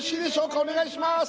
お願いします